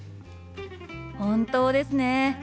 本当ですね。